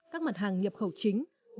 các mặt hàng nghiệp khẩu chính